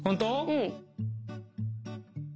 うん。